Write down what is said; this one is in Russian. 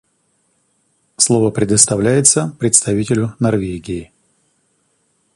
Слово предоставляется представителю Норвегии.